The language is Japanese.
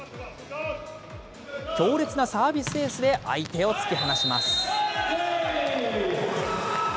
強烈なサービスエースで相手を突き放します。